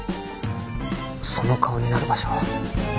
その顔になる場所